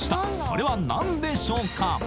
それは何でしょうか？